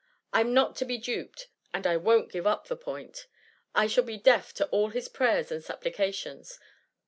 I ^m not to be duped, and I won^t give up the point. I shall be deaf to all his prayers and supplications.'